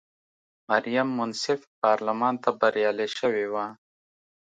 مریم منصف پارلمان ته بریالی شوې وه.